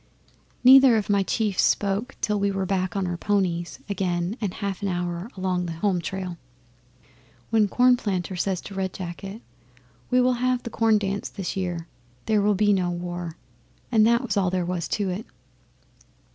'Neither of my chiefs spoke till we were back on our ponies again and a half hour along the home trail. Then Cornplanter says to Red Jacket, "We will have the Corn dance this year. There will be no war." And that was all there was to it.